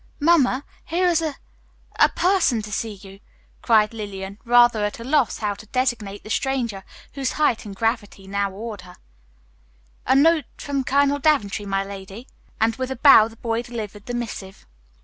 "Mamma, here is a a person to see you," cried Lillian, rather at a loss how to designate the stranger, whose height and gravity now awed her. "A note from Colonel Daventry, my lady," and with a bow the boy delivered the missive.